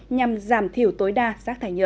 nhằm giảm thiểu tối đa rắc thải nhựa